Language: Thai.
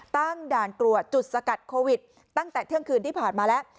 ตั้งด่านตรวจจุดสกัดโควิดตั้งแต่เที่ยงคืนที่ผ่านมาแล้ว